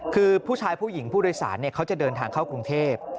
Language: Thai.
คือผู้ชายผู้หญิงผู้โดยสารเขาจะเดินทางเข้ากรุงเทพ